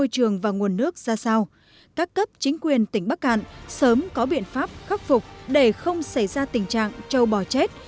các cấp chính quyền tỉnh bắc cạn sớm có biện pháp khắc phục để không xảy ra tình trạng châu bò chết